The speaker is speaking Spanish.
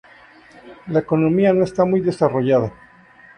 La economía no está muy desarrollada.